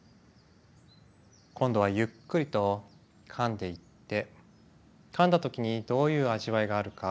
今度はゆっくりとかんでいってかんだ時にどういう味わいがあるか